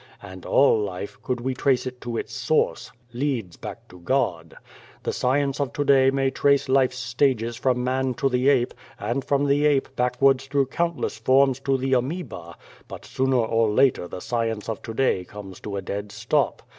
And all life, could we trace it to its source, leads back to God. The science of to day may trace life's stages from man to the ape, and from the ape back wards through countless forms to the amoeba, but sooner or later the science of to day comes to a dead stop.